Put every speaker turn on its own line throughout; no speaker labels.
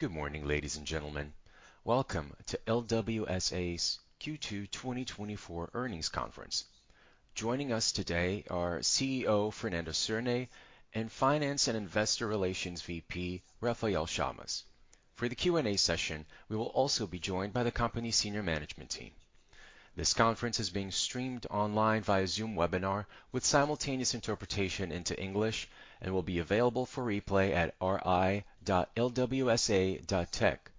Good morning, ladies and gentlemen. Welcome to LWSA's Q2 2024 earnings conference. Joining us today are CEO, Fernando Cirne, and Finance and Investor Relations VP, Rafael Chamas. For the Q&A session, we will also be joined by the company's senior management team. This conference is being streamed online via Zoom webinar with simultaneous interpretation into English and will be available for replay at ri.lwsa.tech.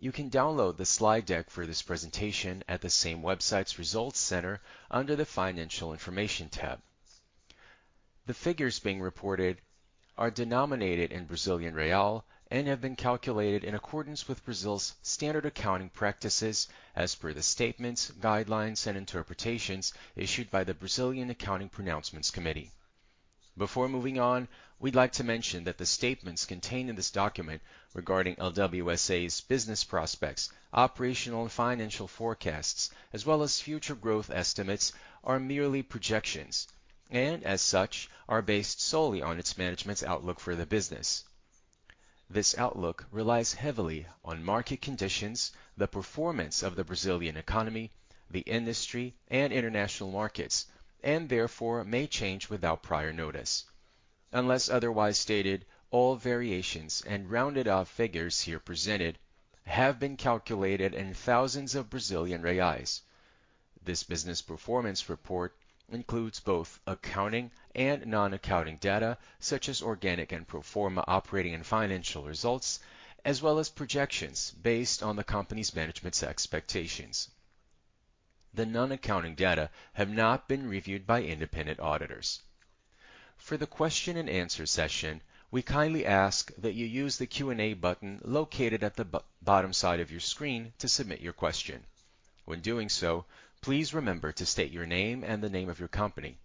You can download the slide deck for this presentation at the same website's results center under the Financial Information tab. The figures being reported are denominated in Brazilian real and have been calculated in accordance with Brazil's standard accounting practices as per the statements, guidelines, and interpretations issued by the Brazilian Accounting Pronouncements Committee. Before moving on, we'd like to mention that the statements contained in this document regarding LWSA's business prospects, operational and financial forecasts, as well as future growth estimates, are merely projections, and as such, are based solely on its management's outlook for the business. This outlook relies heavily on market conditions, the performance of the Brazilian economy, the industry, and international markets, and therefore may change without prior notice. Unless otherwise stated, all variations and rounded off figures here presented have been calculated in thousands of Brazilian reais. This business performance report includes both accounting and non-accounting data, such as organic and pro forma operating and financial results, as well as projections based on the company's management's expectations. The non-accounting data have not been reviewed by independent auditors. For the question and answer session, we kindly ask that you use the Q&A button located at the bottom side of your screen to submit your question. When doing so, please remember to state your name and the name of your company.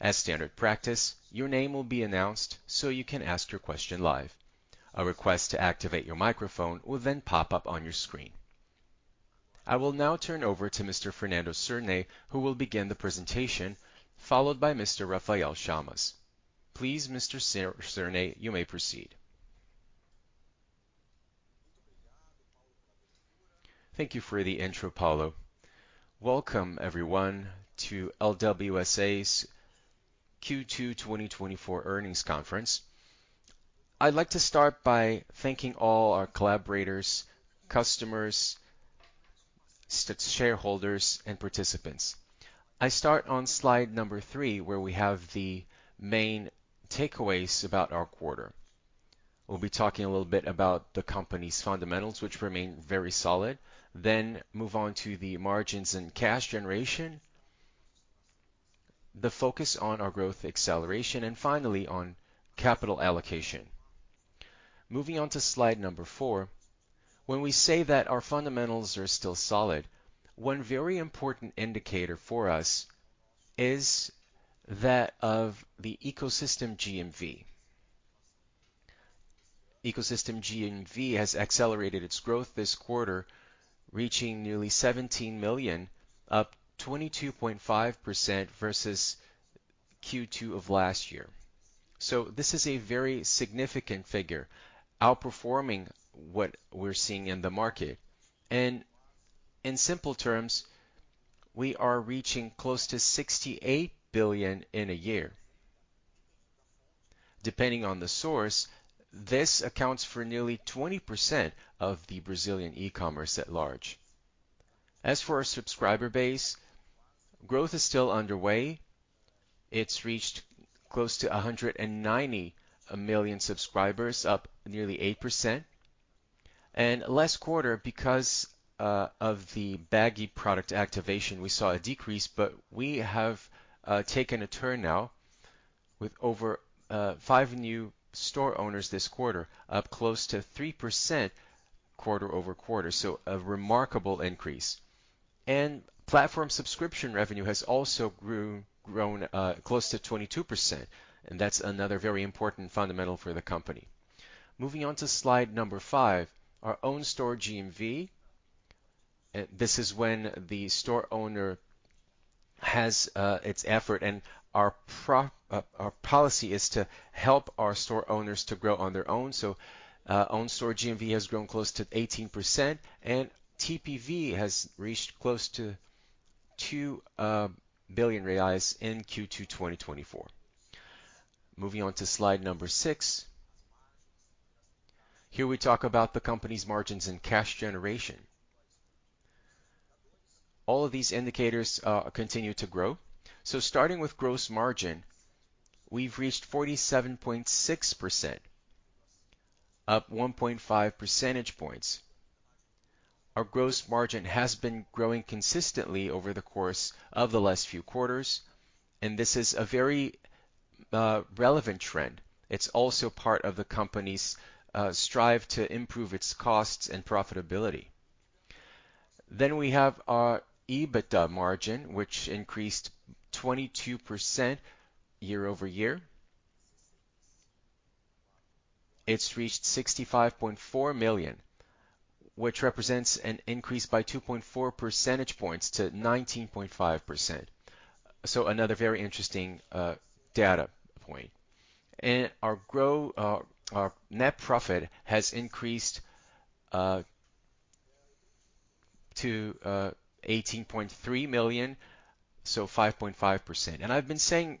As standard practice, your name will be announced, so you can ask your question live. A request to activate your microphone will then pop up on your screen. I will now turn over to Mr. Fernando Cirne, who will begin the presentation, followed by Mr. Rafael Chamas. Please, Mr. Cirne, you may proceed. Thank you for the intro, Paulo. Welcome everyone to LWSA's Q2 2024 earnings conference. I'd like to start by thanking all our collaborators, customers, shareholders, and participants. I start on slide number 3, where we have the main takeaways about our quarter. We'll be talking a little bit about the company's fundamentals, which remain very solid, then move on to the margins and cash generation, the focus on our growth acceleration, and finally on capital allocation. Moving on to slide number 4. When we say that our fundamentals are still solid, one very important indicator for us is that of the ecosystem GMV. Ecosystem GMV has accelerated its growth this quarter, reaching nearly 17 million, up 22.5% versus Q2 of last year. So this is a very significant figure, outperforming what we're seeing in the market. And in simple terms, we are reaching close to 68 billion in a year. Depending on the source, this accounts for nearly 20% of the Brazilian e-commerce at large. As for our subscriber base, growth is still underway. It's reached close to 190 million subscribers, up nearly 8%. Last quarter, because of the Bagy product activation, we saw a decrease, but we have taken a turn now with over 5 new store owners this quarter, up close to 3% quarter-over-quarter. A remarkable increase. Platform subscription revenue has also grown close to 22%, and that's another very important fundamental for the company. Moving on to slide number 5, our own store GMV. This is when the store owner has its effort, and our policy is to help our store owners to grow on their own. So own store GMV has grown close to 18%, and TPV has reached close to 2 billion reais in Q2 2024. Moving on to slide number 6. Here we talk about the company's margins and cash generation. All of these indicators continue to grow. So starting with gross margin, we've reached 47.6%, up 1.5 percentage points. Our gross margin has been growing consistently over the course of the last few quarters, and this is a very relevant trend. It's also part of the company's strive to improve its costs and profitability. Then we have our EBITDA margin, which increased 22% year-over-year. It's reached 65.4 million, which represents an increase by 2.4 percentage points to 19.5%. So another very interesting data point. And our net profit has increased to 18.3 million, so 5.5%. I've been saying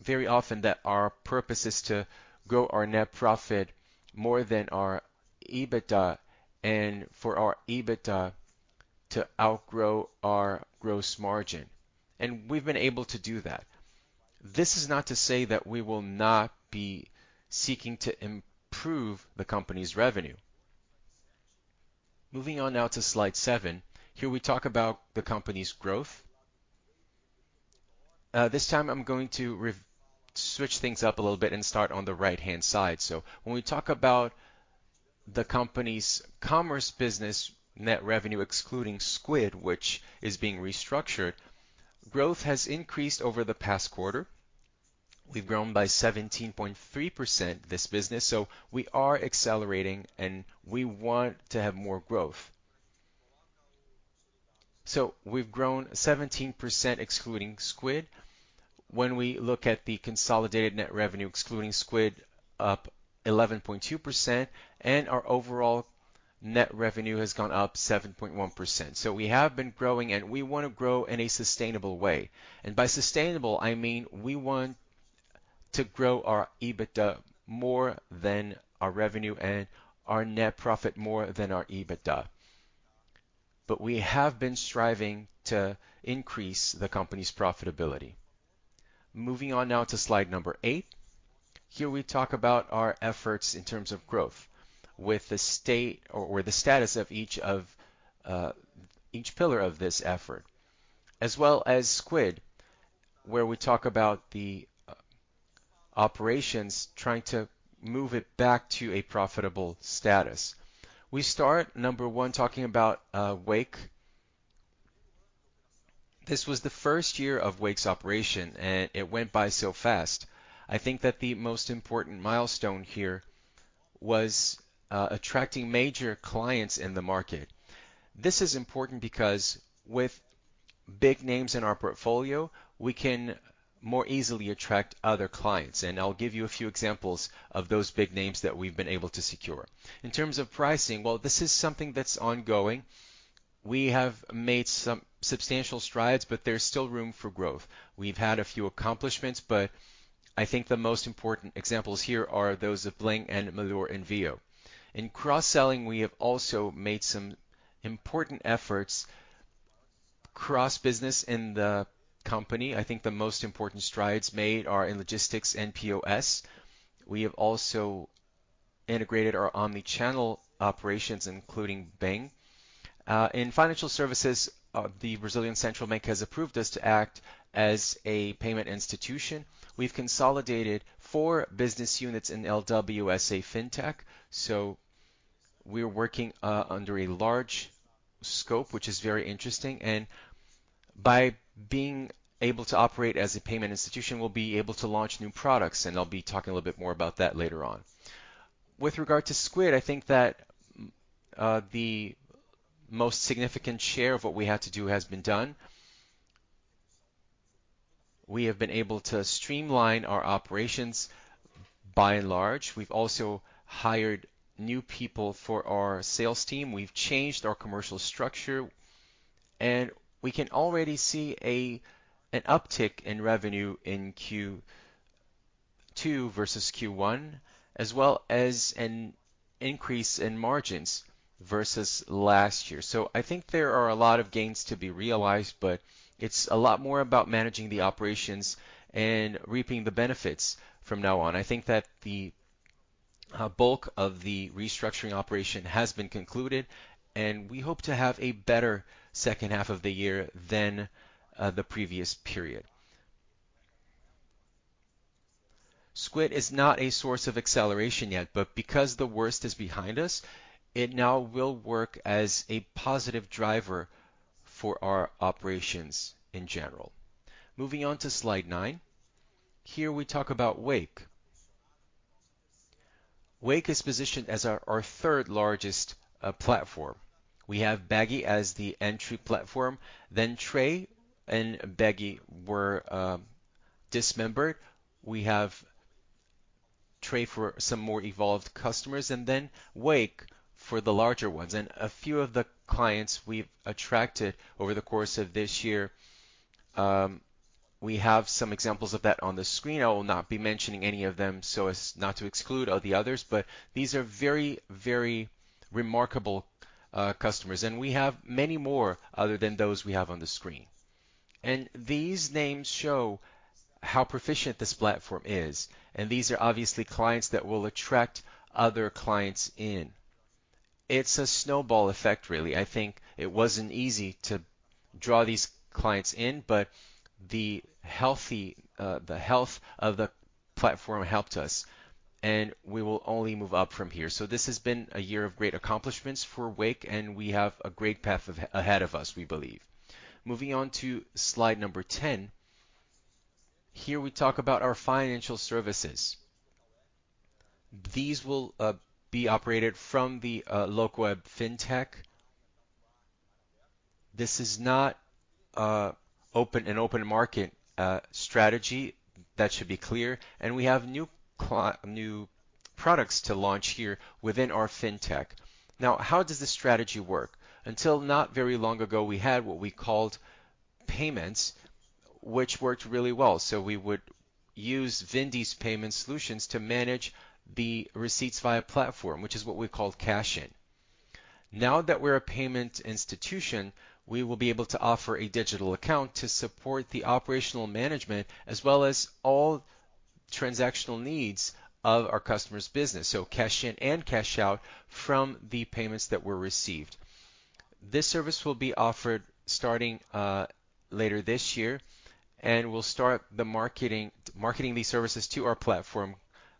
very often that our purpose is to grow our net profit more than our EBITDA, and for our EBITDA to outgrow our gross margin, and we've been able to do that. This is not to say that we will not be seeking to improve the company's revenue. Moving on now to slide 7. Here we talk about the company's growth. This time I'm going to switch things up a little bit and start on the right-hand side. So when we talk about the company's commerce business, net revenue, excluding Squid, which is being restructured, growth has increased over the past quarter. We've grown by 17.3%, this business, so we are accelerating, and we want to have more growth. So we've grown 17%, excluding Squid. When we look at the consolidated net revenue, excluding Squid, up 11.2%, and our overall net revenue has gone up 7.1%. So we have been growing, and we want to grow in a sustainable way. And by sustainable, I mean we want to grow our EBITDA more than our revenue and our net profit more than our EBITDA. But we have been striving to increase the company's profitability. Moving on now to slide number 8. Here we talk about our efforts in terms of growth with the state or the status of each of each pillar of this effort, as well as Squid, where we talk about the operations, trying to move it back to a profitable status. We start, number 1, talking about Wake. This was the first year of Wake's operation, and it went by so fast. I think that the most important milestone here was attracting major clients in the market. This is important because with big names in our portfolio, we can more easily attract other clients, and I'll give you a few examples of those big names that we've been able to secure. In terms of pricing, well, this is something that's ongoing. We have made some substantial strides, but there's still room for growth. We've had a few accomplishments, but I think the most important examples here are those of Bling and Melhor Envio. In cross-selling, we have also made some important efforts. Cross-business in the company, I think the most important strides made are in logistics and POS. We have also integrated our omnichannel operations, including Bagy. In financial services, the Brazilian Central Bank has approved us to act as a payment institution. We've consolidated four business units in LWSA Fintech, so we're working under a large scope, which is very interesting. And by being able to operate as a payment institution, we'll be able to launch new products, and I'll be talking a little bit more about that later on. With regard to Squid, I think that the most significant share of what we had to do has been done. We have been able to streamline our operations by and large. We've also hired new people for our sales team. We've changed our commercial structure, and we can already see an uptick in revenue in Q2 versus Q1, as well as an increase in margins versus last year. So I think there are a lot of gains to be realized, but it's a lot more about managing the operations and reaping the benefits from now on. I think that the bulk of the restructuring operation has been concluded, and we hope to have a better second half of the year than the previous period. Squid is not a source of acceleration yet, but because the worst is behind us, it now will work as a positive driver for our operations in general. Moving on to slide 9. Here we talk about Wake. Wake is positioned as our third-largest platform. We have Bagy as the entry platform, then Tray and Bagy were dismembered. We have Tray for some more evolved customers and then Wake for the larger ones. A few of the clients we've attracted over the course of this year, we have some examples of that on the screen. I will not be mentioning any of them so as not to exclude all the others, but these are very, very remarkable customers, and we have many more other than those we have on the screen. These names show how proficient this platform is, and these are obviously clients that will attract other clients in. It's a snowball effect, really. I think it wasn't easy to draw these clients in, but the health of the platform helped us, and we will only move up from here. This has been a year of great accomplishments for Wake, and we have a great path ahead of us, we believe. Moving on to slide number 10. Here we talk about our financial services. These will be operated from the Locaweb Fintech. This is not an open market strategy. That should be clear. We have new products to launch here within our Fintech. Now, how does this strategy work? Until not very long ago, we had what we called payments, which worked really well. We would use Vindi's payment solutions to manage the receipts via platform, which is what we called cash-in. Now that we're a payment institution, we will be able to offer a digital account to support the operational management, as well as all transactional needs of our customer's business. So cash in and cash out from the payments that were received. This service will be offered starting later this year, and we'll start marketing these services to our platform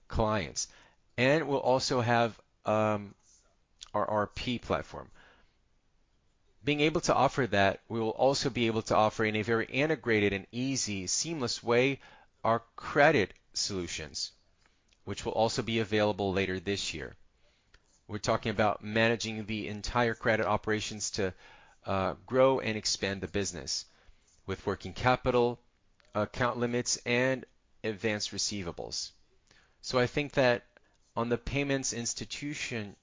clients. We'll also have our ERP platform. Being able to offer that, we will also be able to offer in a very integrated and easy, seamless way, our credit solutions, which will also be available later this year. We're talking about managing the entire credit operations to grow and expand the business with working capital, account limits, and advanced receivables. So I think that on the payments institution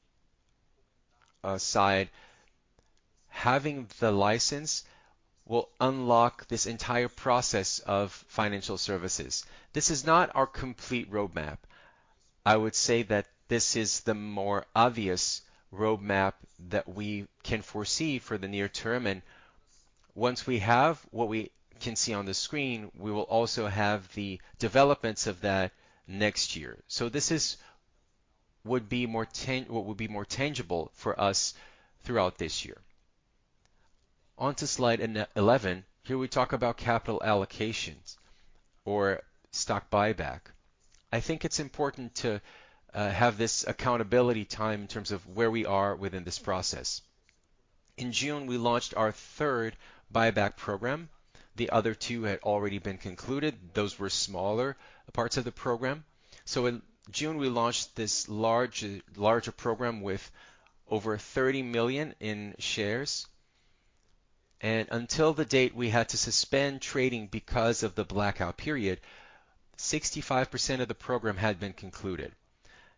side, having the license will unlock this entire process of financial services. This is not our complete roadmap. I would say that this is the more obvious roadmap that we can foresee for the near term, and once we have what we can see on the screen, we will also have the developments of that next year. So this would be more tangible for us throughout this year. On to slide eleven. Here we talk about capital allocations or stock buyback. I think it's important to have this accountability time in terms of where we are within this process. In June, we launched our third buyback program. The other two had already been concluded. Those were smaller parts of the program. So in June, we launched this large, larger program with over 30 million in shares. And until the date we had to suspend trading because of the blackout period, 65% of the program had been concluded.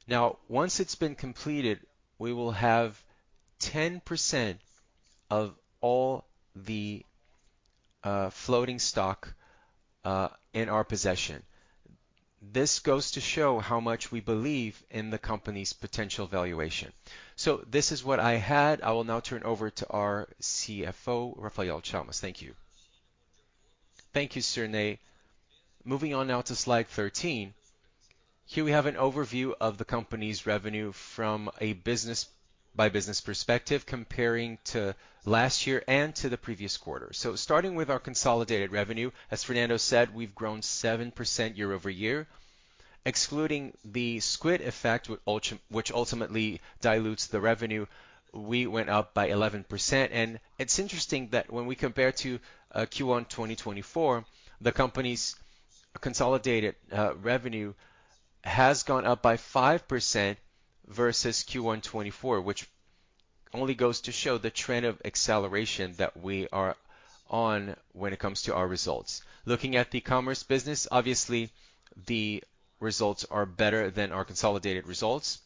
Now, once it's been completed, we will have 10% of all the floating stock in our possession. This goes to show how much we believe in the company's potential valuation. So this is what I had. I will now turn over to our CFO, Rafael Chamas. Thank you.
Thank you, Sir Ney. Moving on now to slide 13. Here we have an overview of the company's revenue from a business by business perspective, comparing to last year and to the previous quarter. Starting with our consolidated revenue, as Fernando said, we've grown 7% year-over-year, excluding the Squid effect, which ultimately dilutes the revenue, we went up by 11%, and it's interesting that when we compare to Q1 2024, the company's consolidated revenue has gone up by 5% versus Q1 2024, which only goes to show the trend of acceleration that we are on when it comes to our results. Looking at the commerce business, obviously, the results are better than our consolidated results,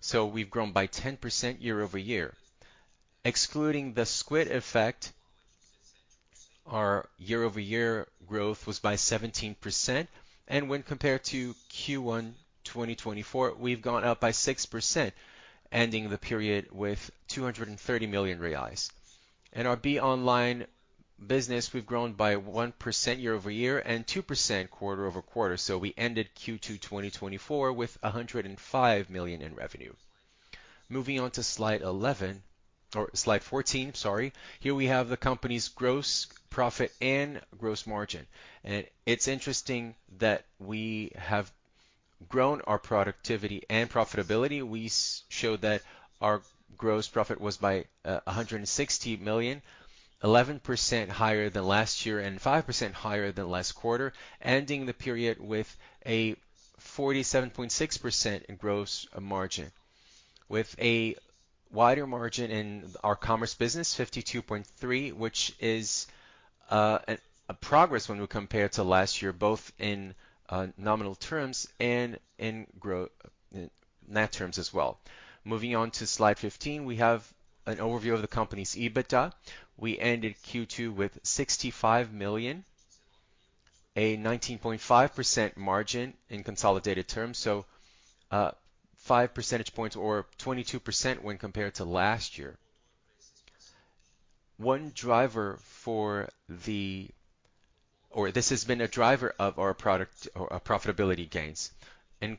so we've grown by 10% year-over-year. Excluding the Squid effect, our year-over-year growth was by 17%, and when compared to Q1 2024, we've gone up by 6%, ending the period with 230 million reais. In our Be Online business, we've grown by 1% year over year and 2% quarter-over-quarter. So we ended Q2 2024 with 105 million in revenue. Moving on to slide 11, or slide 14, sorry. Here we have the company's gross profit and gross margin. It's interesting that we have grown our productivity and profitability. We showed that our gross profit was 160 million, 11% higher than last year and 5% higher than last quarter, ending the period with a 47.6% gross margin, with a wider margin in our commerce business, 52.3%, which is a progress when we compare it to last year, both in nominal terms and in net terms as well. Moving on to slide 15, we have an overview of the company's EBITDA. We ended Q2 with 65 million, a 19.5% margin in consolidated terms, so five percentage points or 22% when compared to last year. This has been a driver of our profitability gains. In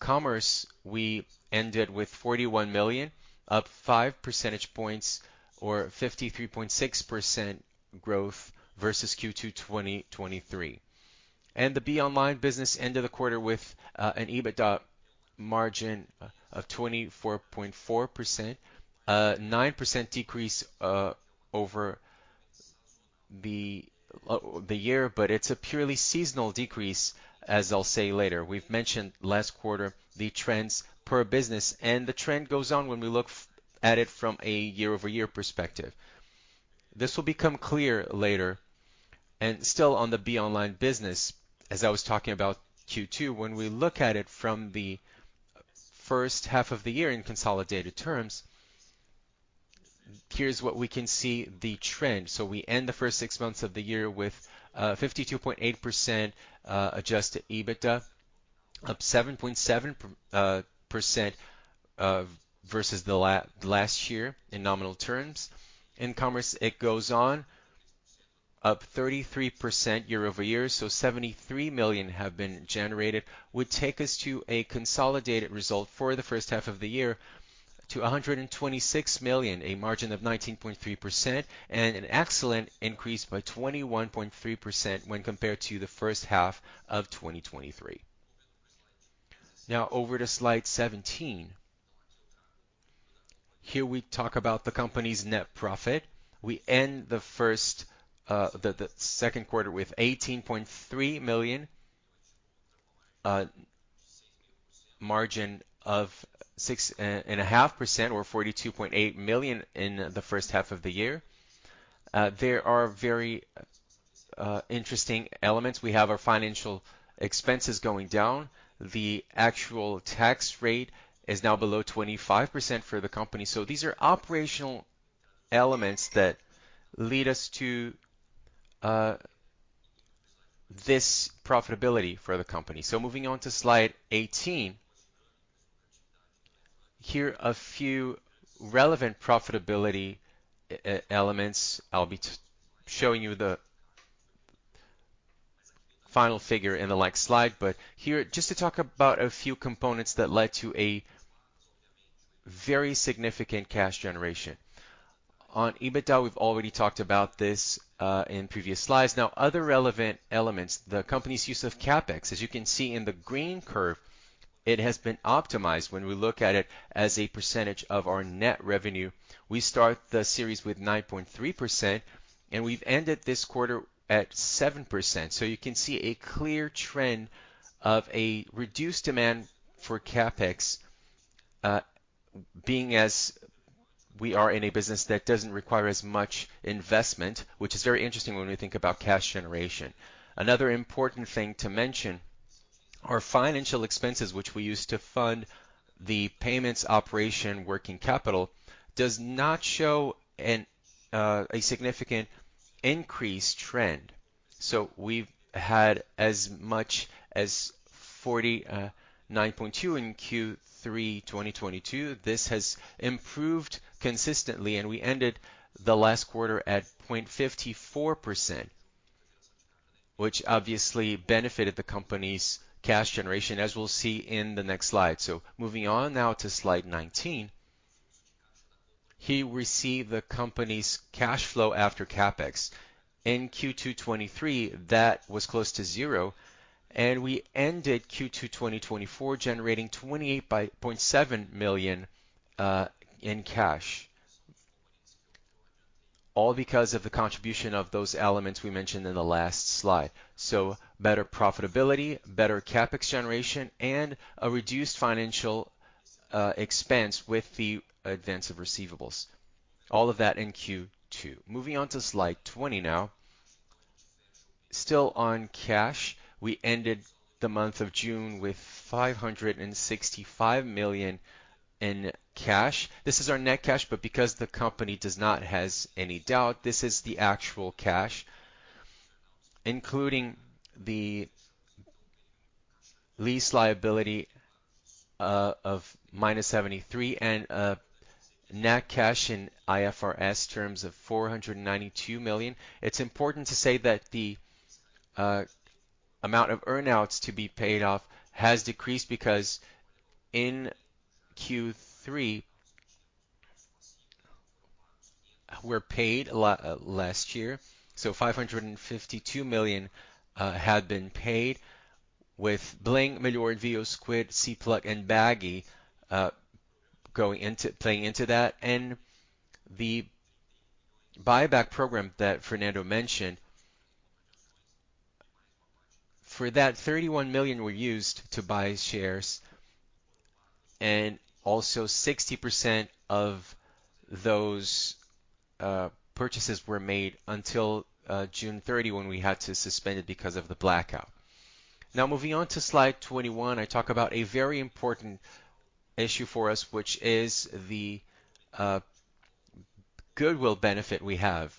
commerce, we ended with 41 million, up 5 percentage points or 53.6% growth versus Q2 2023. The Be Online business ended the quarter with an EBITDA margin of 24.4%, 9% decrease over the year, but it's a purely seasonal decrease, as I'll say later. We've mentioned last quarter the trends per business, and the trend goes on when we look at it from a year-over-year perspective. This will become clear later. Still on the Be Online business, as I was talking about Q2, when we look at it from the first half of the year in consolidated terms, here's what we can see the trend. So we end the first six months of the year with 52.8% adjusted EBITDA, up 7.7% versus last year in nominal terms. In commerce, it goes on, up 33% year-over-year, so 73 million have been generated, would take us to a consolidated result for the first half of the year to 126 million, a margin of 19.3% and an excellent increase by 21.3% when compared to the first half of 2023. Now over to slide 17. Here we talk about the company's net profit. We end the Q2 with 18.3 million, margin of 6.5%, or 42.8 million in the first half of the year. There are very interesting elements. We have our financial expenses going down. The actual tax rate is now below 25% for the company. So these are operational elements that lead us to this profitability for the company. So moving on to slide 18. Here, a few relevant profitability elements. I'll be showing you the final figure in the next slide, but here, just to talk about a few components that led to a very significant cash generation. On EBITDA, we've already talked about this in previous slides. Now, other relevant elements, the company's use of CapEx. As you can see in the green curve, it has been optimized when we look at it as a percentage of our net revenue. We start the series with 9.3%, and we've ended this quarter at 7%. So you can see a clear trend of a reduced demand for CapEx, being as we are in a business that doesn't require as much investment, which is very interesting when we think about cash generation. Another important thing to mention, our financial expenses, which we use to fund the payments operation working capital, does not show a significant increase trend. So we've had as much as 49.2% in Q3 2022. This has improved consistently, and we ended the last quarter at 0.54%, which obviously benefited the company's cash generation, as we'll see in the next slide. So moving on now to slide 19. Here we see the company's cash flow after CapEx. In Q2 2023, that was close to zero, and we ended Q2 2024, generating 28.7 million in cash. All because of the contribution of those elements we mentioned in the last slide. So better profitability, better CapEx generation, and a reduced financial expense with the advance of receivables. All of that in Q2. Moving on to slide 20 now. Still on cash, we ended the month of June with 565 million in cash. This is our net cash, but because the company does not have any debt, this is the actual cash, including the lease liability of -73 million and net cash in IFRS terms of 492 million. It's important to say that the amount of earn-outs to be paid off has decreased because in Q3, we paid last year, so 552 million had been paid with Bling, Melhor Envio, Squid, CPlug, and Bagy, going into playing into that. The buyback program that Fernando mentioned, for that, 31 million were used to buy shares, and also 60% of those purchases were made until June 30, when we had to suspend it because of the blackout. Now, moving on to slide 21, I talk about a very important issue for us, which is the goodwill benefit we have.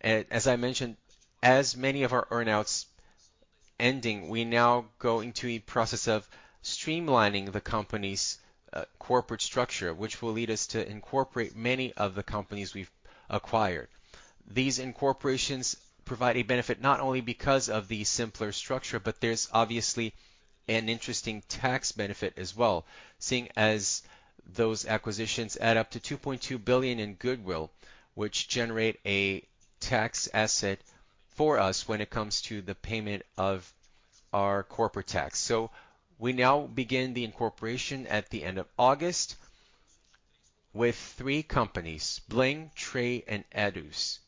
And as I mentioned, as many of our earn-outs ending, we now go into a process of streamlining the company's corporate structure, which will lead us to incorporate many of the companies we've acquired. These incorporations provide a benefit not only because of the simpler structure, but there's obviously an interesting tax benefit as well, seeing as those acquisitions add up to 2.2 billion in goodwill, which generate a tax asset for us when it comes to the payment of our corporate tax. So we now begin the incorporation at the end of August with three companies, Bling, Tray, and Etus.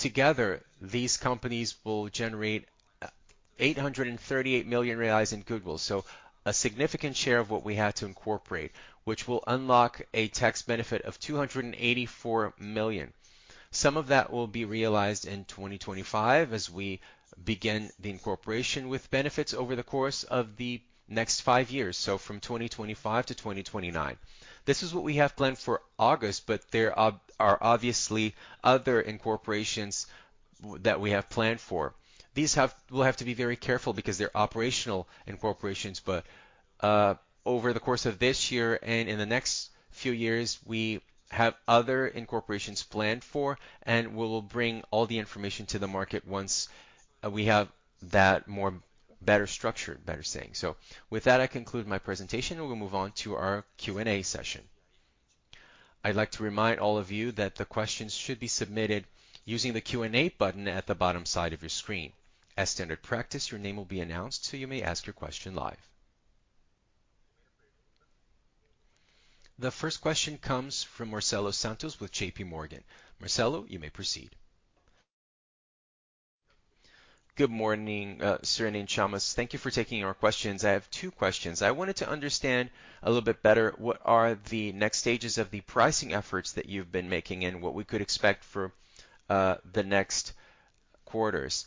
Together, these companies will generate 838 million reais in goodwill. So a significant share of what we had to incorporate, which will unlock a tax benefit of 284 million. Some of that will be realized in 2025 as we begin the incorporation with benefits over the course of the next five years, so from 2025 to 2029. This is what we have planned for August, but there are obviously other incorporations that we have planned for. These have-- we'll have to be very careful because they're operational incorporations, but, over the course of this year and in the next few years, we have other incorporations planned for, and we'll bring all the information to the market once, we have that more better structured, better saying. So with that, I conclude my presentation, and we'll move on to our Q&A session. I'd like to remind all of you that the questions should be submitted using the Q&A button at the bottom side of your screen. As standard practice, your name will be announced, so you may ask your question live. The first question comes from Marcelo Santos with J.P. Morgan. Marcelo, you may proceed.
Good morning, Cirne and Chamas. Thank you for taking our questions. I have two questions. I wanted to understand a little bit better, what are the next stages of the pricing efforts that you've been making and what we could expect for, the next quarters?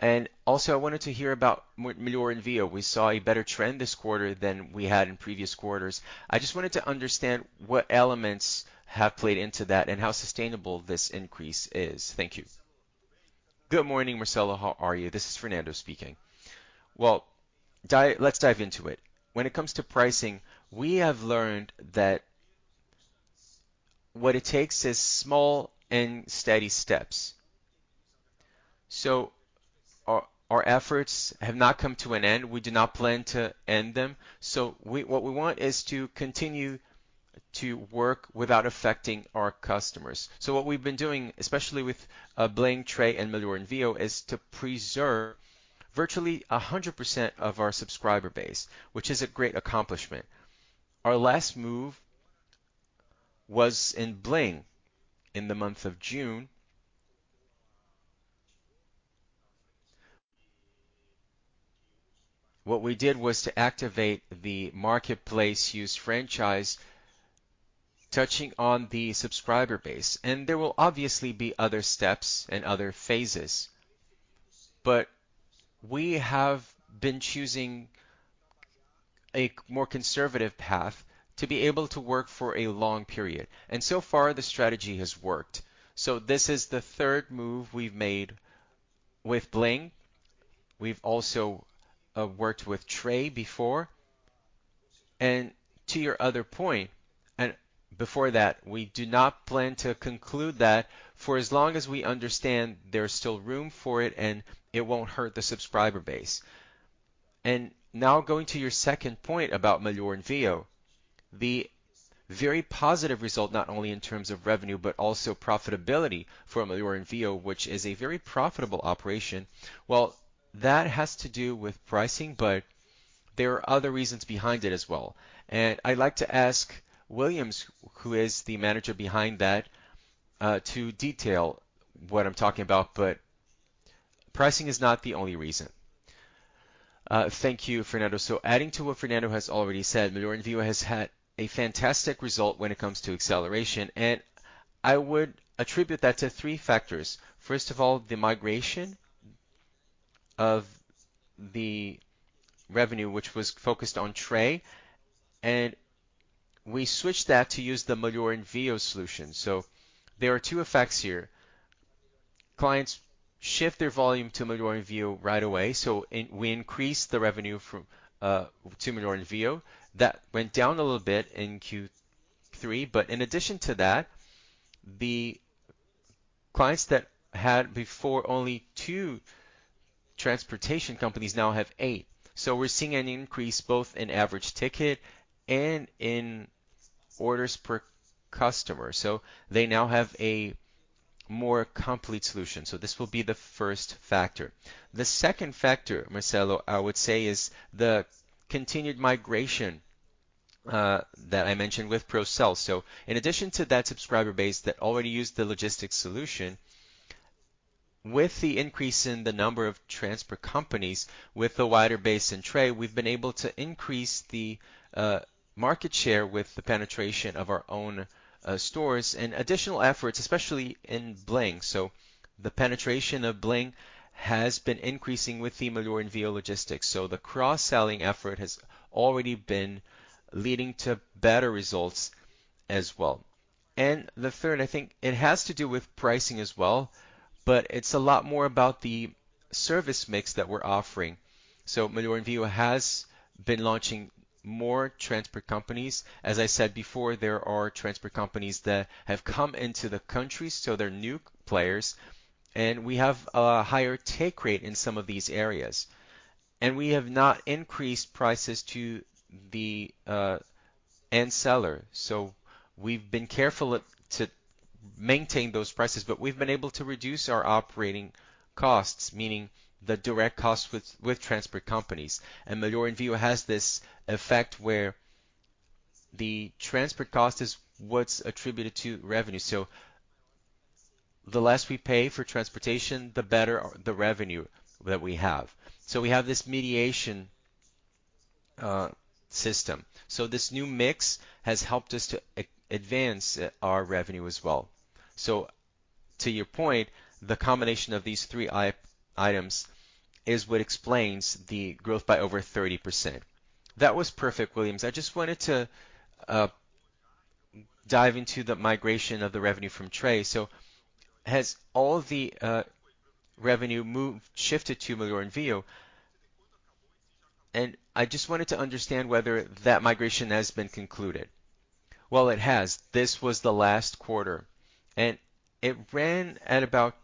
And also, I wanted to hear about Melhor Envio. We saw a better trend this quarter than we had in previous quarters. I just wanted to understand what elements have played into that and how sustainable this increase is. Thank you.
Good morning, Marcelo. How are you? This is Fernando speaking. Well, let's dive into it. When it comes to pricing, we have learned that what it takes is small and steady steps. So our, our efforts have not come to an end. We do not plan to end them. So we-- what we want is to continue to work without affecting our customers. So what we've been doing, especially with Bling, Tray, and Melhor Envio, is to preserve virtually 100% of our subscriber base, which is a great accomplishment. Our last move was in Bling in the month of June. What we did was to activate the marketplace use franchise, touching on the subscriber base, and there will obviously be other steps and other phases. But we have been choosing a more conservative path to be able to work for a long period, and so far, the strategy has worked. So this is the third move we've made with Bling. We've also worked with Tray before. And to your other point, and before that, we do not plan to conclude that for as long as we understand there's still room for it and it won't hurt the subscriber base. And now going to your second point about Melhor Envio, the very positive result, not only in terms of revenue, but also profitability for Melhor Envio, which is a very profitable operation. Well, that has to do with pricing, but there are other reasons behind it as well. And I'd like to ask Willians, who is the manager behind that, to detail what I'm talking about, but pricing is not the only reason. Thank you, Fernando. So adding to what Fernando has already said, Melhor Envio has had a fantastic result when it comes to acceleration, and I would attribute that to three factors. First of all, the migration of the revenue, which was focused on Tray, and we switched that to use the Melhor Envio solution. So there are two effects here. Clients shift their volume to Melhor Envio right away, so we increased the revenue from to Melhor Envio. That went down a little bit in Q3, but in addition to that, the clients that had before only two transportation companies now have eight. So we're seeing an increase both in average ticket and in orders per customer, so they now have a more complete solution. So this will be the first factor. The second factor, Marcelo, I would say, is the continued migration that I mentioned with cross-selling. So in addition to that subscriber base that already used the logistics solution, with the increase in the number of transport companies, with the wider base in Tray, we've been able to increase the market share with the penetration of our own stores and additional efforts, especially in Bling. So the penetration of Bling has been increasing with the Melhor Envio logistics, so the cross-selling effort has already been leading to better results as well. And the third, I think it has to do with pricing as well, but it's a lot more about the service mix that we're offering. So Melhor Envio has been launching more transport companies. As I said before, there are transport companies that have come into the country, so they're new players, and we have a higher take rate in some of these areas. And we have not increased prices to the end seller. So we've been careful to maintain those prices, but we've been able to reduce our operating costs, meaning the direct costs with transport companies. And Melhor Envio has this effect where the transport cost is what's attributed to revenue. So the less we pay for transportation, the better the revenue that we have. So we have this mediation system. So this new mix has helped us to advance our revenue as well. So to your point, the combination of these three items is what explains the growth by over 30%. That was perfect, Willians. I just wanted to dive into the migration of the revenue from Tray. So has all the revenue moved, shifted to Melhor Envio? And I just wanted to understand whether that migration has been concluded. Well, it has. This was the last quarter, and it ran at about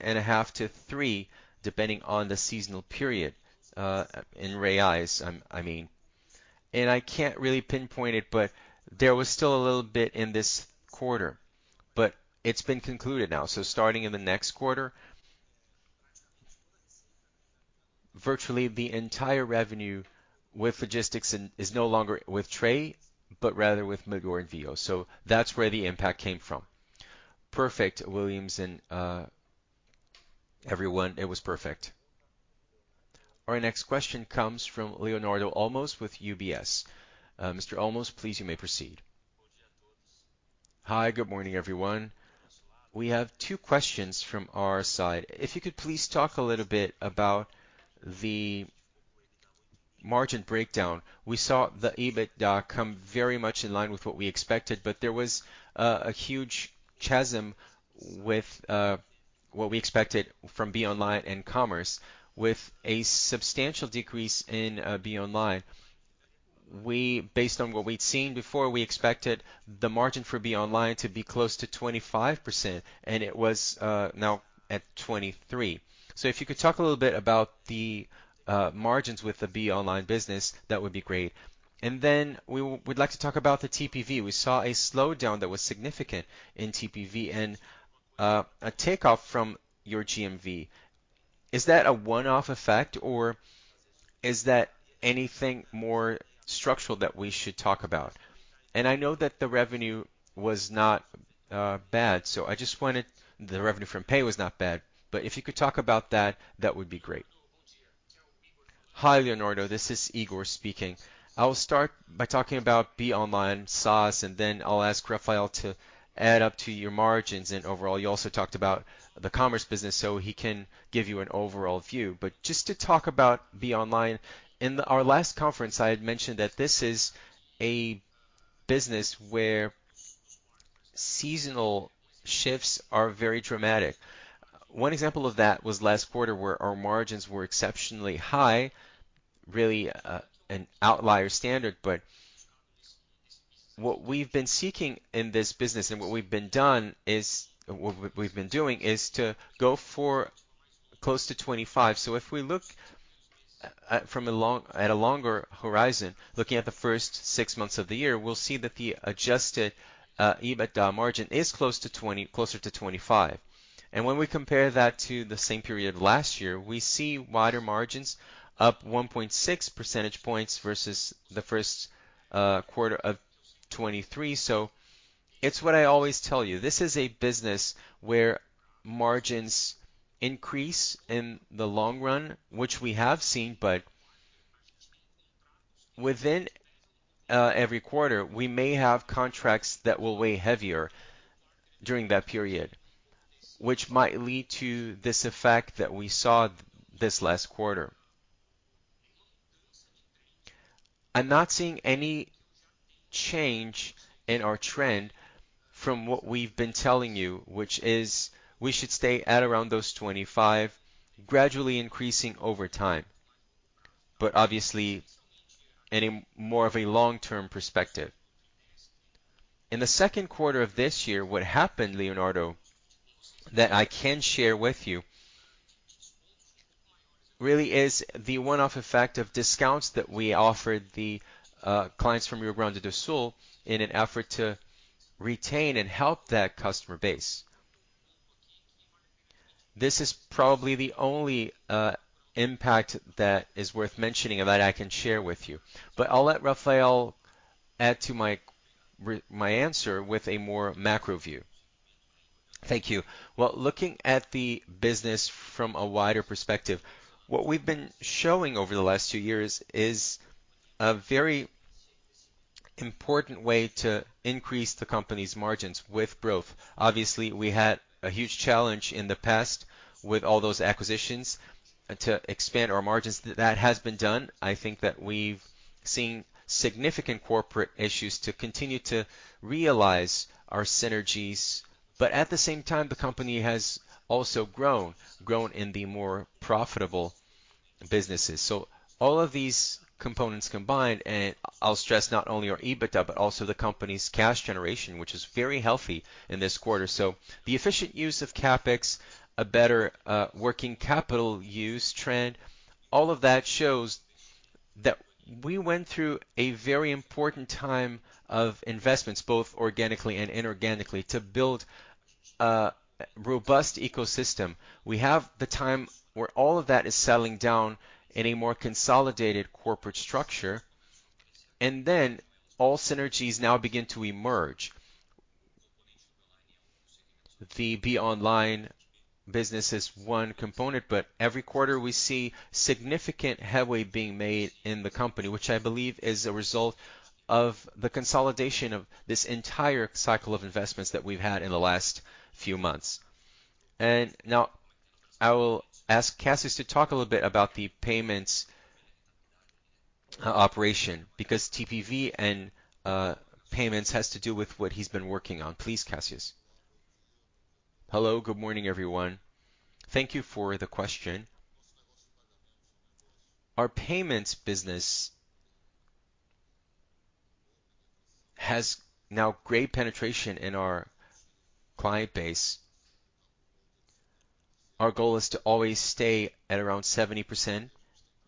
2.5-3, depending on the seasonal period, in BRL, I mean. And I can't really pinpoint it, but there was still a little bit in this quarter, but it's been concluded now. So starting in the next quarter, virtually the entire revenue with logistics and is no longer with Tray, but rather with Melhor Envio. So that's where the impact came from.
Perfect, Willians, and, everyone, it was perfect.
Our next question comes from Leonardo Olmos with UBS. Mr. Olmos, please, you may proceed.
Hi, good morning, everyone. We have two questions from our side. If you could please talk a little bit about the margin breakdown. We saw the EBITDA come very much in line with what we expected, but there was a huge chasm with what we expected from B online and commerce, with a substantial decrease in B online. Based on what we'd seen before, we expected the margin for B online to be close to 25%, and it was now at 23%. So if you could talk a little bit about the, margins with the Be Online business, that would be great. And then we would like to talk about the TPV. We saw a slowdown that was significant in TPV and, a takeoff from your GMV. Is that a one-off effect, or is that anything more structural that we should talk about? And I know that the revenue was not, bad, so I just wanted, the revenue from pay was not bad, but if you could talk about that, that would be great.
Hi, Leonardo, this is Igor speaking. I'll start by talking about Be Online, SaaS, and then I'll ask Rafael to add up to your margins. And overall, you also talked about the commerce business, so he can give you an overall view. But just to talk about B online, in our last conference, I had mentioned that this is a business where seasonal shifts are very dramatic. One example of that was last quarter, where our margins were exceptionally high, really, an outlier standard. But what we've been seeking in this business, and what we've been doing, is to go for close to 25. So if we look at, at a longer horizon, looking at the first six months of the year, we'll see that the adjusted, EBITDA margin is close to 20, closer to 25. And when we compare that to the same period last year, we see wider margins up 1.6 percentage points versus the Q1 of 2023. So it's what I always tell you, this is a business where margins increase in the long run, which we have seen, but within every quarter, we may have contracts that will weigh heavier during that period, which might lead to this effect that we saw this last quarter. I'm not seeing any change in our trend from what we've been telling you, which is we should stay at around those 25, gradually increasing over time, but obviously in a more of a long-term perspective. In the Q2 of this year, what happened, Leonardo, that I can share with you, really is the one-off effect of discounts that we offered the clients from Rio Grande do Sul in an effort to retain and help that customer base. This is probably the only impact that is worth mentioning and that I can share with you. But I'll let Rafael add to my answer with a more macro view. Thank you. Well, looking at the business from a wider perspective, what we've been showing over the last two years is a very important way to increase the company's margins with growth. Obviously, we had a huge challenge in the past with all those acquisitions to expand our margins. That has been done. I think that we've seen significant corporate issues to continue to realize our synergies, but at the same time, the company has also grown, grown in the more profitable businesses. So all of these components combined, and I'll stress not only our EBITDA, but also the company's cash generation, which is very healthy in this quarter. So the efficient use of CapEx, a better working capital use trend, all of that shows... that we went through a very important time of investments, both organically and inorganically, to build a robust ecosystem. We have the time where all of that is settling down in a more consolidated corporate structure, and then all synergies now begin to emerge. The Be Online business is one component, but every quarter we see significant headway being made in the company, which I believe is a result of the consolidation of this entire cycle of investments that we've had in the last few months. Now I will ask Cássio to talk a little bit about the payments operation, because TPV and payments has to do with what he's been working on. Please, Cássio.
Hello. Good morning, everyone. Thank you for the question. Our payments business has now great penetration in our client base. Our goal is to always stay at around 70%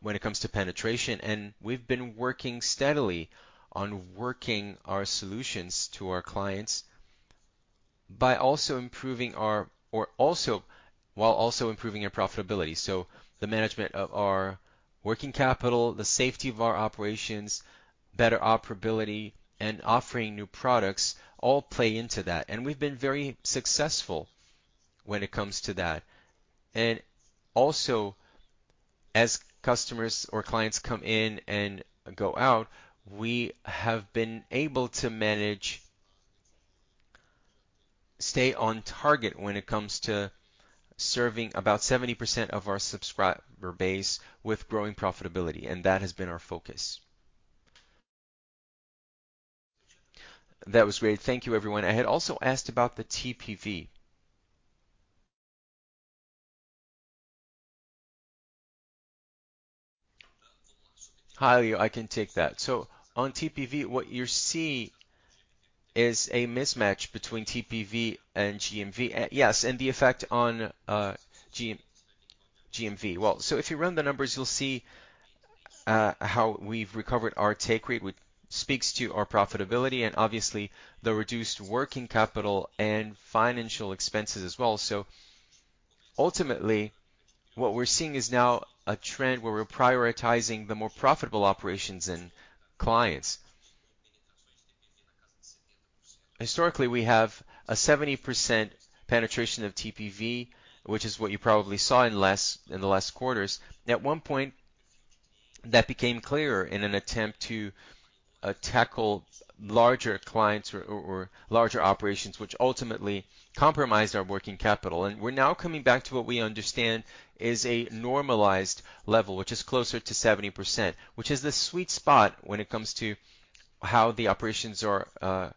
when it comes to penetration, and we've been working steadily on working our solutions to our clients by also improving our... or also-- while also improving our profitability. So the management of our working capital, the safety of our operations, better operability, and offering new products all play into that, and we've been very successful when it comes to that. And also, as customers or clients come in and go out, we have been able to manage, stay on target when it comes to serving about 70% of our subscriber base with growing profitability, and that has been our focus. That was great. Thank you, everyone. I had also asked about the TPV. Hi, Leo, I can take that. So on TPV, what you see is a mismatch between TPV and GMV. Yes, and the effect on, GMV. Well, so if you run the numbers, you'll see how we've recovered our take rate, which speaks to our profitability and obviously the reduced working capital and financial expenses as well. So ultimately, what we're seeing is now a trend where we're prioritizing the more profitable operations and clients. Historically, we have a 70% penetration of TPV, which is what you probably saw in the last quarters. At one point, that became clearer in an attempt to tackle larger clients or larger operations, which ultimately compromised our working capital. And we're now coming back to what we understand is a normalized level, which is closer to 70%, which is the sweet spot when it comes to how the operations are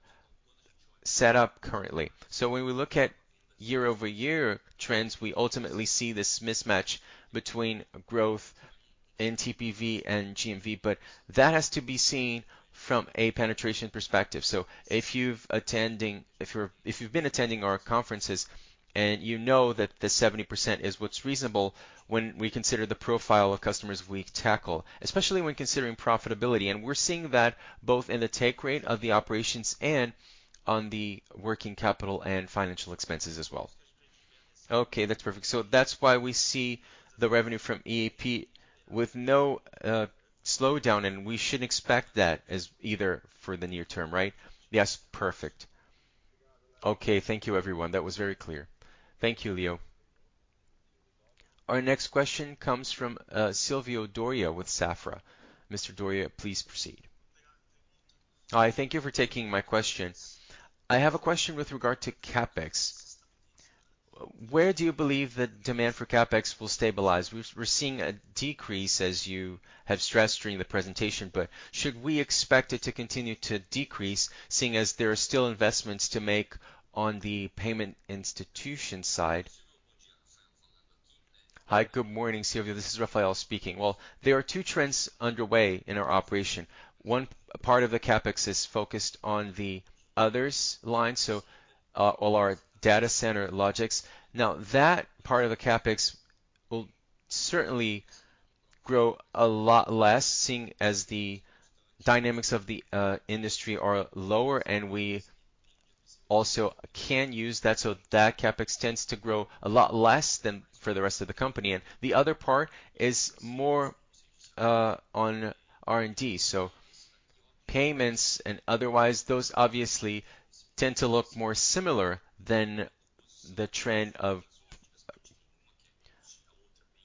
set up currently. So when we look at year-over-year trends, we ultimately see this mismatch between growth in TPV and GMV, but that has to be seen from a penetration perspective. So if you've been attending our conferences and you know that the 70% is what's reasonable when we consider the profile of customers we tackle, especially when considering profitability, and we're seeing that both in the take rate of the operations and on the working capital and financial expenses as well. Okay, that's perfect. So that's why we see the revenue from Yapay with no slowdown, and we shouldn't expect that as either for the near term, right? Yes. Perfect. Okay. Thank you, everyone. That was very clear. Thank you, Leo.
Our next question comes from Silvio Dória with Safra. Mr. Dória, please proceed.
Hi, thank you for taking my question. I have a question with regard to CapEx. Where do you believe the demand for CapEx will stabilize? We're seeing a decrease, as you have stressed during the presentation, but should we expect it to continue to decrease, seeing as there are still investments to make on the payment institution side?
Hi, good morning, Silvio. This is Rafael speaking. Well, there are two trends underway in our operation. One, part of the CapEx is focused on the others line, so, all our data center logistics. Now, that part of the CapEx will certainly grow a lot less, seeing as the dynamics of the industry are lower, and we also can use that. So that CapEx tends to grow a lot less than for the rest of the company. And the other part is more on R&D.
So payments and otherwise, those obviously tend to look more similar than the trend of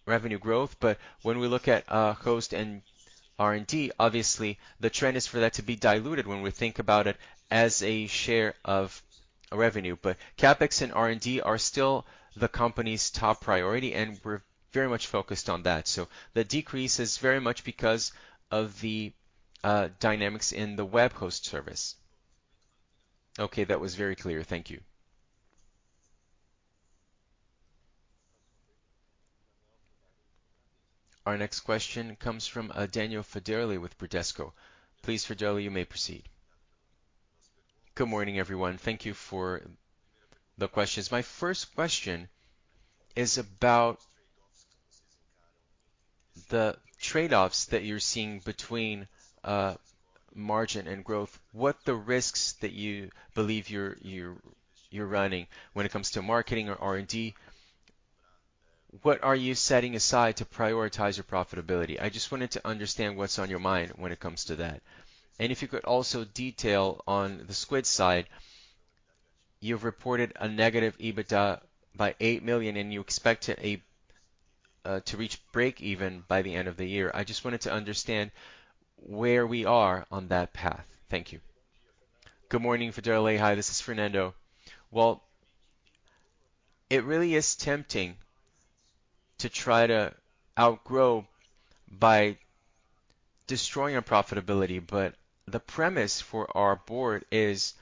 revenue growth. But when we look at host and R&D, obviously the trend is for that to be diluted when we think about it as a share of revenue. But CapEx and R&D are still the company's top priority, and we're very much focused on that. So the decrease is very much because of the dynamics in the web host service. Okay, that was very clear. Thank you.
Our next question comes from Daniel Federle with Bradesco BBI. Please, Federle, you may proceed.
Good morning, everyone. Thank you for the questions. My first question is about the trade-offs that you're seeing between margin and growth. What the risks that you believe you're running when it comes to marketing or R&D? What are you setting aside to prioritize your profitability? I just wanted to understand what's on your mind when it comes to that. And if you could also detail on the Squid side, you've reported a negative EBITDA by 8 million, and you expect it to reach breakeven by the end of the year. I just wanted to understand where we are on that path. Thank you.
Good morning, Daniel Federle. This is Fernando. Well, it really is tempting to try to outgrow by destroying our profitability, but the premise for our board is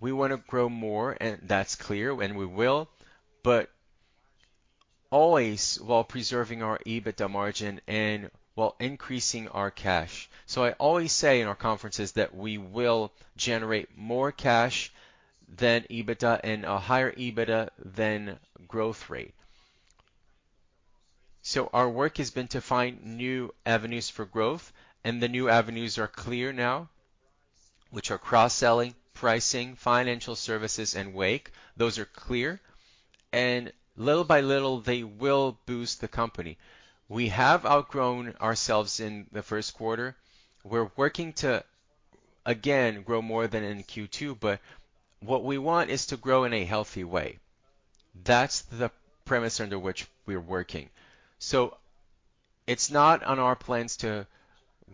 we want to grow more, and that's clear, and we will, but always while preserving our EBITDA margin and while increasing our cash. So I always say in our conferences that we will generate more cash than EBITDA and a higher EBITDA than growth rate. So our work has been to find new avenues for growth, and the new avenues are clear now, which are cross-selling, pricing, financial services, and Wake. Those are clear, and little by little, they will boost the company. We have outgrown ourselves in the Q1. We're working to, again, grow more than in Q2, but what we want is to grow in a healthy way. That's the premise under which we're working. So it's not on our plans to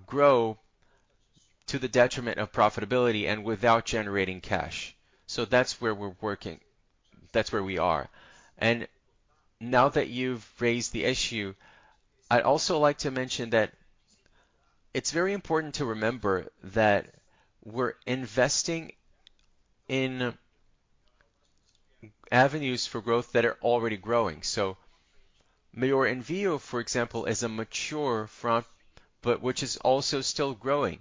grow to the detriment of profitability and without generating cash. So that's where we're working. That's where we are. And now that you've raised the issue, I'd also like to mention that it's very important to remember that we're investing in avenues for growth that are already growing. So Melhor Envio, for example, is a mature front, but which is also still growing.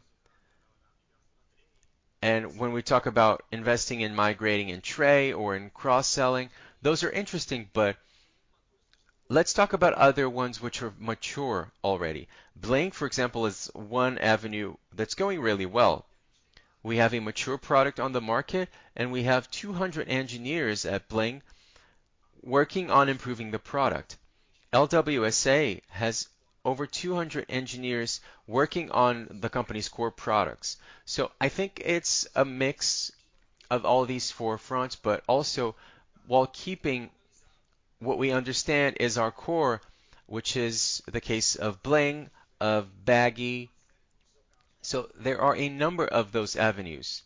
When we talk about investing in migrating in Tray or in cross-selling, those are interesting, but let's talk about other ones which are mature already. Bling, for example, is one avenue that's going really well. We have a mature product on the market, and we have 200 engineers at Bling working on improving the product. LWSA has over 200 engineers working on the company's core products. So I think it's a mix of all these four fronts, but also while keeping what we understand is our core, which is the case of Bling, of Bagy. So there are a number of those avenues.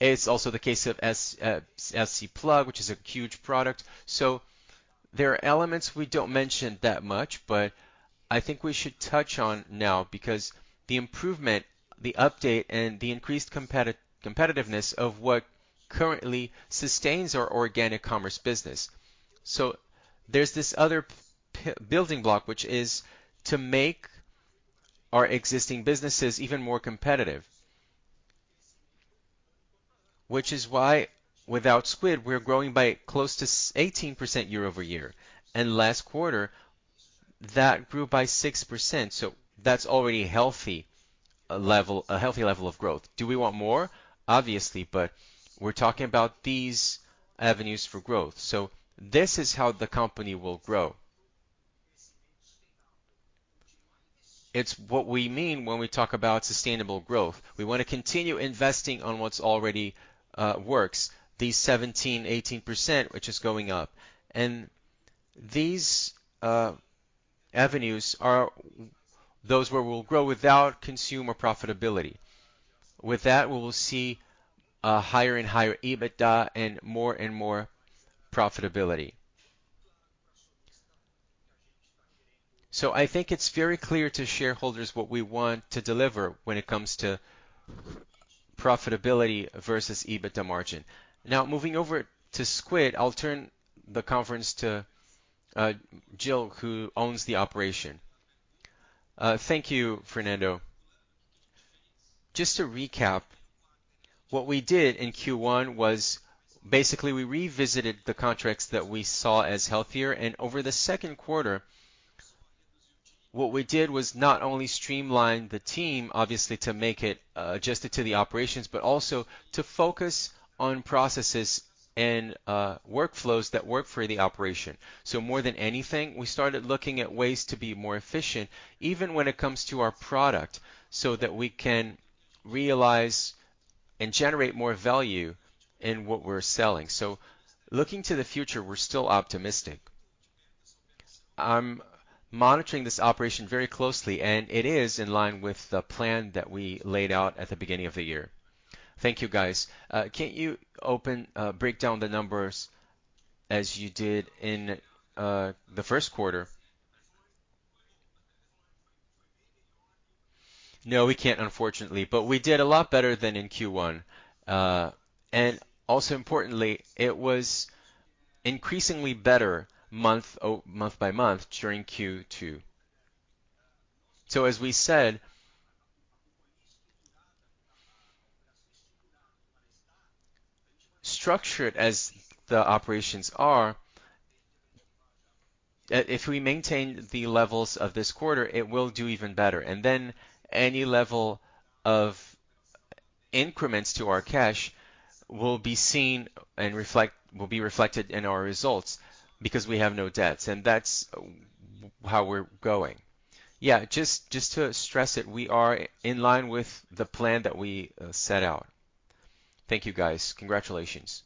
It's also the case of ConnectPlug, which is a huge product. So there are elements we don't mention that much, but I think we should touch on now because the improvement, the update, and the increased competitiveness of what currently sustains our organic commerce business. So there's this other building block, which is to make our existing businesses even more competitive. Which is why without Squid, we're growing by close to 18% year-over-year, and last quarter, that grew by 6%. So that's already a healthy level, a healthy level of growth. Do we want more? Obviously, but we're talking about these avenues for growth, so this is how the company will grow. It's what we mean when we talk about sustainable growth. We want to continue investing on what's already works, the 17, 18%, which is going up. And these avenues are those where we'll grow without consumer profitability. With that, we will see a higher and higher EBITDA and more and more profitability. So I think it's very clear to shareholders what we want to deliver when it comes to profitability versus EBITDA margin. Now, moving over to Squid, I'll turn the conference to, Felipe Jonas, who owns the operation. Thank you, Fernando. Just to recap, what we did in Q1 was basically, we revisited the contracts that we saw as healthier, and over the Q2, what we did was not only streamline the team, obviously, to make it, adjusted to the operations, but also to focus on processes and, workflows that work for the operation. So more than anything, we started looking at ways to be more efficient, even when it comes to our product, so that we can realize and generate more value in what we're selling. So looking to the future, we're still optimistic. I'm monitoring this operation very closely, and it is in line with the plan that we laid out at the beginning of the year. Thank you, guys. Can you open, break down the numbers as you did in the Q1? No, we can't, unfortunately, but we did a lot better than in Q1. And also importantly, it was increasingly better month-over-month by month during Q2. So as we said, structured as the operations are, if we maintain the levels of this quarter, it will do even better, and then any level of increments to our cash will be seen and reflected in our results because we have no debts, and that's how we're going. Yeah, just to stress it, we are in line with the plan that we set out.
Thank you, guys. Congratulations.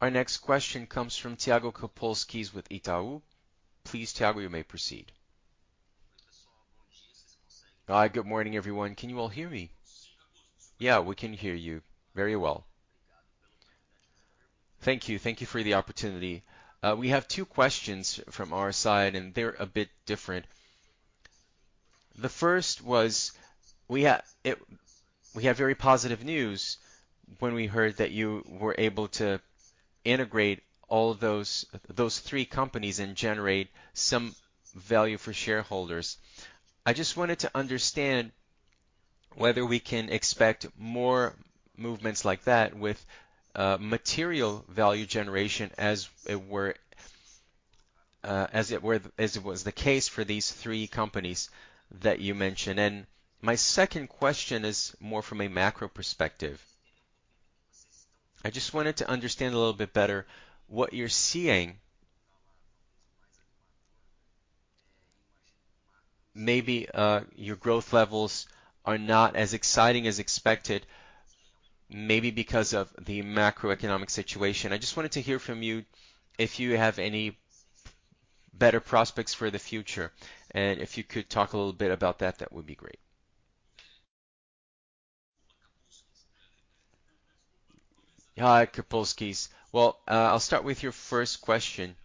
Our next question comes from Thiago Kapulskis with Itaú. Please, Thiago, you may proceed.
Hi. Good morning, everyone. Can you all hear me?
Yeah, we can hear you very well.
Thank you. Thank you for the opportunity. We have two questions from our side, and they're a bit different. The first was, we had very positive news when we heard that you were able to integrate all those three companies and generate some value for shareholders. I just wanted to understand whether we can expect more movements like that with material value generation, as it were, as it was the case for these three companies that you mentioned. And my second question is more from a macro perspective. I just wanted to understand a little bit better what you're seeing. Maybe, your growth levels are not as exciting as expected, maybe because of the macroeconomic situation. I just wanted to hear from you if you have any better prospects for the future, and if you could talk a little bit about that, that would be great. Hi, Kapulskis.
Well, I'll start with your first question,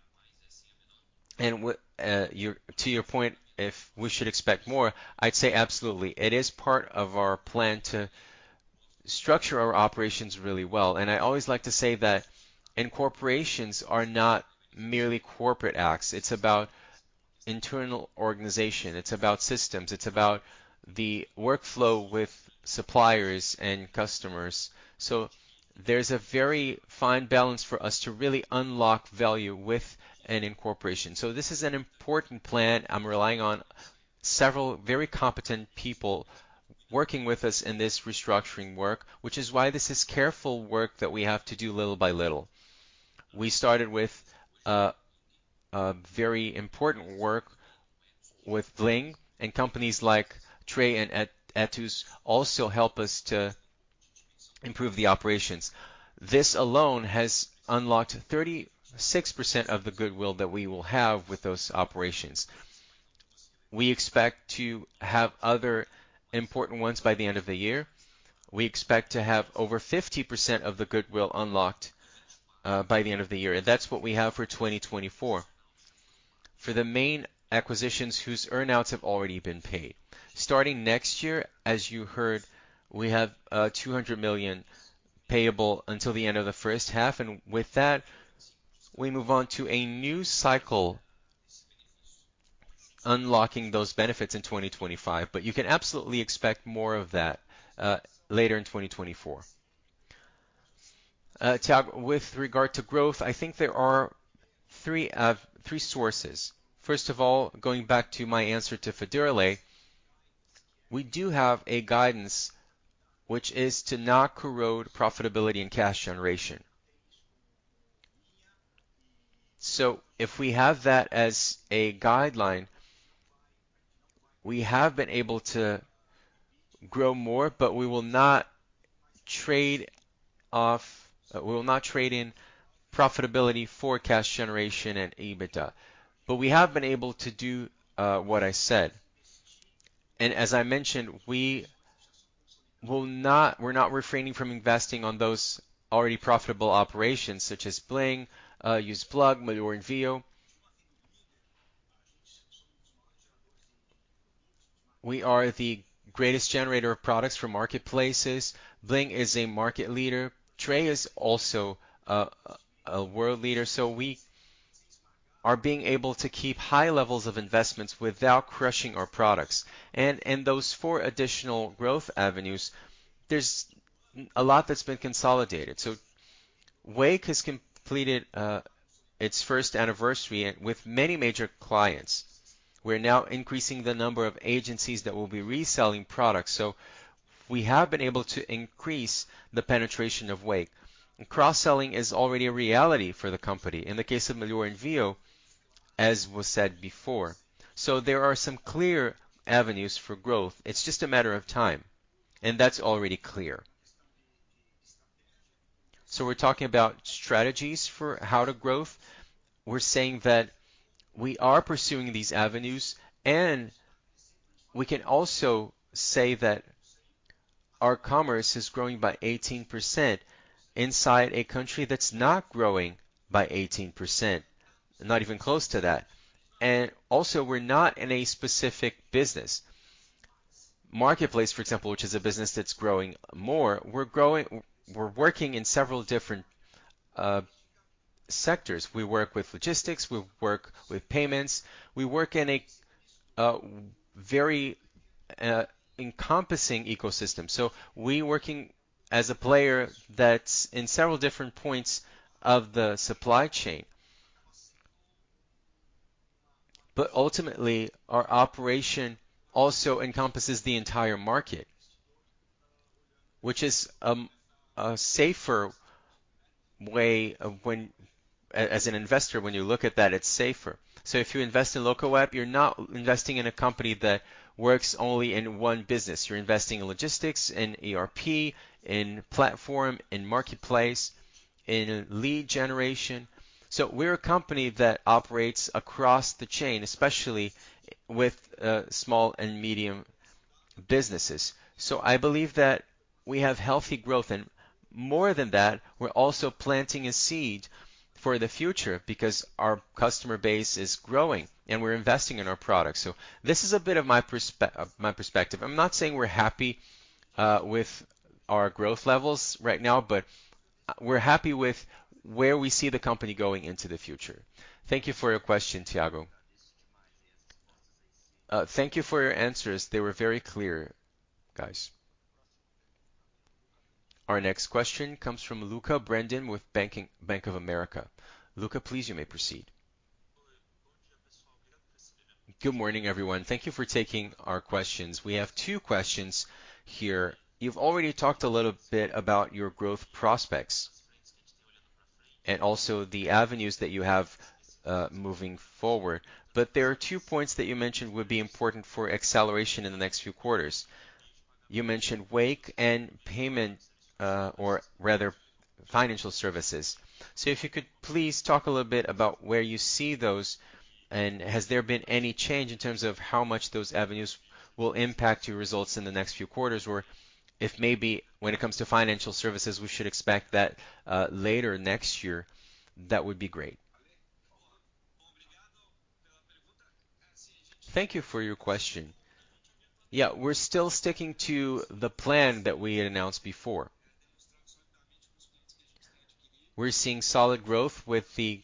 and, to your point, if we should expect more, I'd say absolutely. It is part of our plan to structure our operations really well, and I always like to say that incorporations are not merely corporate acts. It's about internal organization. It's about systems. It's about the workflow with suppliers and customers. So there's a very fine balance for us to really unlock value with an incorporation. So this is an important plan. I'm relying on several very competent people working with us in this restructuring work, which is why this is careful work that we have to do little by little. We started with a very important work with Bling, and companies like Tray and Etus also help us to improve the operations. This alone has unlocked 36% of the goodwill that we will have with those operations. We expect to have other important ones by the end of the year. We expect to have over 50% of the goodwill unlocked by the end of the year, and that's what we have for 2024. For the main acquisitions whose earn-outs have already been paid. Starting next year, as you heard, we have 200 million payable until the end of the first half, and with that, we move on to a new cycle, unlocking those benefits in 2025. But you can absolutely expect more of that later in 2024. Thiago, with regard to growth, I think there are three sources. First of all, going back to my answer to Federle, we do have a guidance, which is to not corrode profitability and cash generation. So if we have that as a guideline, we have been able to grow more, but we will not trade off... We will not trade in profitability for cash generation and EBITDA, but we have been able to do what I said. As I mentioned, we will not—we're not refraining from investing on those already profitable operations, such as Bling, ConnectPlug, Melhor Envio. We are the greatest generator of products for marketplaces. Bling is a market leader. Tray is also a world leader, so we are being able to keep high levels of investments without crushing our products. And those four additional growth avenues, there's a lot that's been consolidated. So Wake has completed its first anniversary and with many major clients. We're now increasing the number of agencies that will be reselling products, so we have been able to increase the penetration of Wake. And cross-selling is already a reality for the company. In the case of Melhor Envio, as was said before. So there are some clear avenues for growth. It's just a matter of time, and that's already clear.
So we're talking about strategies for how to growth.
We're saying that we are pursuing these avenues, and we can also say that our commerce is growing by 18% inside a country that's not growing by 18%, not even close to that. And also, we're not in a specific business. Marketplace, for example, which is a business that's growing more, we're growing. We're working in several different sectors. We work with logistics, we work with payments, we work in a very encompassing ecosystem. So we working as a player that's in several different points of the supply chain. But ultimately, our operation also encompasses the entire market, which is a safer way. As an investor, when you look at that, it's safer. So if you invest in Locaweb, you're not investing in a company that works only in one business. You're investing in logistics, in ERP, in platform, in marketplace, in lead generation. So we're a company that operates across the chain, especially with small and medium businesses. So I believe that we have healthy growth, and more than that, we're also planting a seed for the future because our customer base is growing, and we're investing in our products. So this is a bit of my perspective. I'm not saying we're happy with our growth levels right now, but we're happy with where we see the company going into the future. Thank you for your question, Thiago.
Thank you for your answers. They were very clear, guys.
Our next question comes from Luca Bordin with Bank of America. Luca, please, you may proceed.
Good morning, everyone. Thank you for taking our questions. We have two questions here. You've already talked a little bit about your growth prospects and also the avenues that you have, moving forward. But there are two points that you mentioned would be important for acceleration in the next few quarters. You mentioned Wake and payment, or rather, financial services. So if you could please talk a little bit about where you see those, and has there been any change in terms of how much those avenues will impact your results in the next few quarters? Or if maybe when it comes to financial services, we should expect that, later next year, that would be great. Thank you for your question.
Yeah, we're still sticking to the plan that we had announced before. We're seeing solid growth with the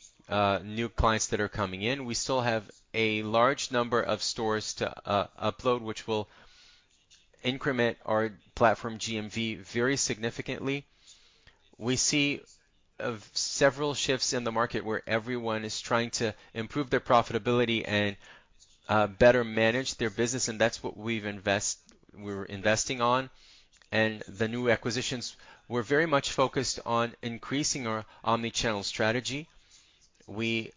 new clients that are coming in. We still have a large number of stores to upload, which will increment our platform GMV very significantly. We see several shifts in the market where everyone is trying to improve their profitability and better manage their business, and that's what we're investing on. And the new acquisitions, we're very much focused on increasing our omnichannel strategy. We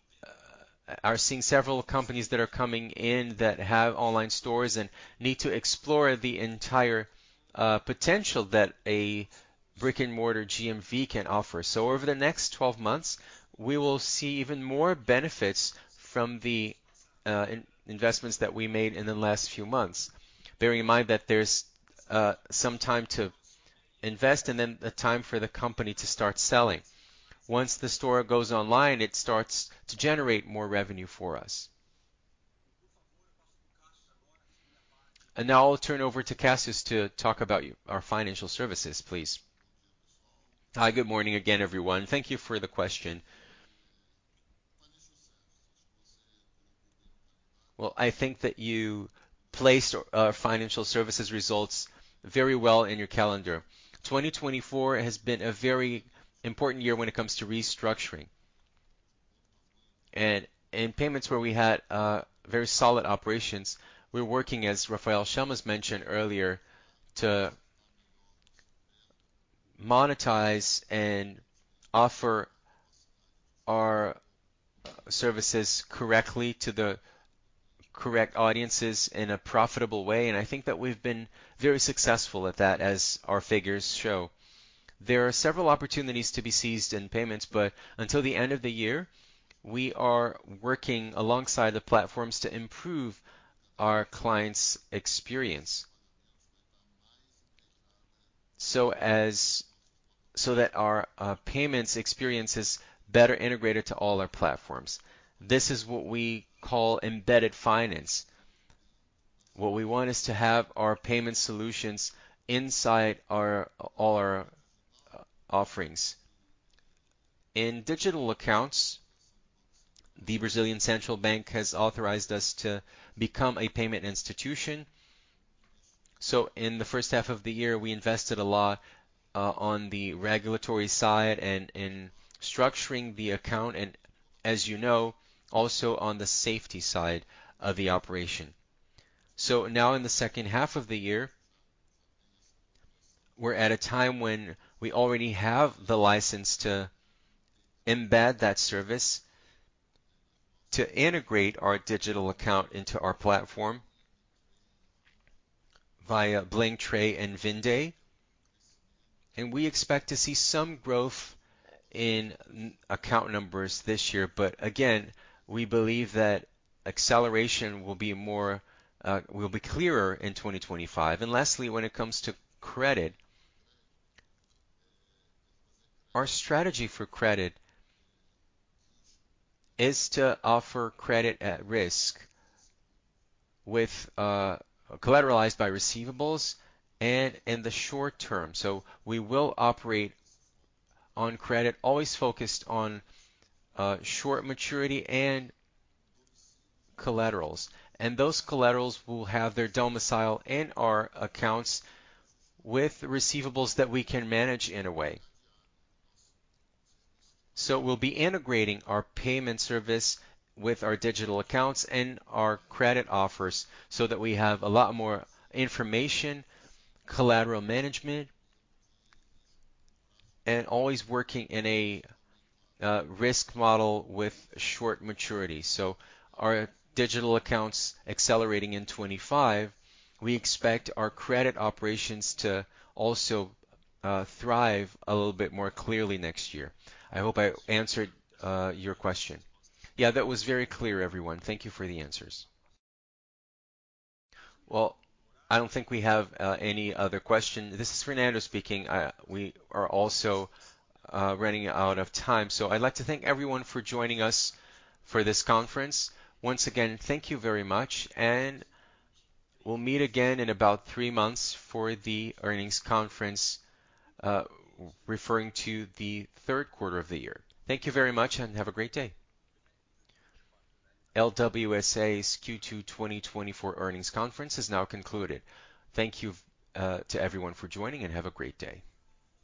are seeing several companies that are coming in that have online stores and need to explore the entire potential that a brick-and-mortar GMV can offer. So over the next 12 months, we will see even more benefits from the investments that we made in the last few months. Bearing in mind that there's some time to invest and then a time for the company to start selling. Once the store goes online, it starts to generate more revenue for us.
Now I'll turn over to Cássio to talk about our financial services, please. Hi, good morning again, everyone. Thank you for the question. Well, I think that you placed our financial services results very well in your calendar. 2024 has been a very important year when it comes to restructuring. And in payments, where we had very solid operations, we're working, as Rafael Chamas has mentioned earlier, to monetize and offer our services correctly to the correct audiences in a profitable way, and I think that we've been very successful at that, as our figures show. There are several opportunities to be seized in payments, but until the end of the year, we are working alongside the platforms to improve our clients' experience. So that our payments experience is better integrated to all our platforms. This is what we call embedded finance. What we want is to have our payment solutions inside our, all our offerings. In digital accounts, the Brazilian Central Bank has authorized us to become a payment institution. So in the first half of the year, we invested a lot, on the regulatory side and in structuring the account, and as you know, also on the safety side of the operation. So now in the second half of the year, we're at a time when we already have the license to embed that service, to integrate our digital account into our platform via Bling, Tray, and Vindi, and we expect to see some growth in account numbers this year. But again, we believe that acceleration will be more, will be clearer in 2025. And lastly, when it comes to credit, our strategy for credit is to offer credit at risk with collateralized by receivables and in the short term. So we will operate on credit, always focused on short maturity and collaterals. And those collaterals will have their domicile and our accounts with receivables that we can manage in a way. So we'll be integrating our payment service with our digital accounts and our credit offers so that we have a lot more information, collateral management, and always working in a risk model with short maturity. So our digital accounts accelerating in 25, we expect our credit operations to also thrive a little bit more clearly next year. I hope I answered your question.
Yeah, that was very clear, everyone. Thank you for the answers.
Well, I don't think we have any other question. This is Fernando speaking. We are also running out of time, so I'd like to thank everyone for joining us for this conference. Once again, thank you very much, and we'll meet again in about three months for the earnings conference, referring to the Q3 of the year. Thank you very much, and have a great day.
LWSA's Q2 2024 earnings conference is now concluded. Thank you to everyone for joining, and have a great day.